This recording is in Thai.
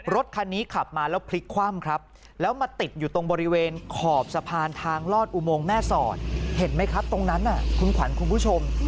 รถคันนี้ขับมาแล้วพลิกคว่ำครับแล้วมาติดอยู่ตรงบริเวณขอบสะพานทางลอดอุโมงแม่สอดเห็นไหมครับตรงนั้นคุณขวัญคุณผู้ชม